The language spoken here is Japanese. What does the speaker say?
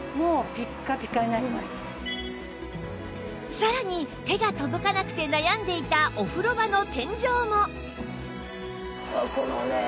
さらに手が届かなくて悩んでいたお風呂場の天井も